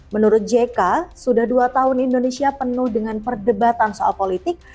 menurut jk sudah dua tahun indonesia penuh dengan perdebatan soal politik